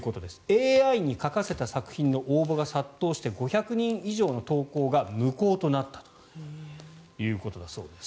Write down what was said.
ＡＩに書かせた作品の応募が殺到して５００人以上の投稿が無効となったということだそうです。